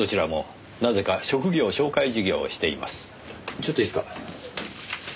ちょっといいですか？